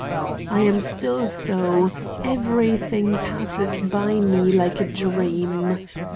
I am still so; everything passes by me like a dream.